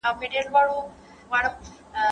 کارخانې څنګه د تولید وسایل کاروي؟